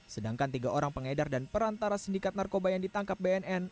sedangkan tiga orang pengedar dan perantara sindikat narkoba yang ditangkap bnn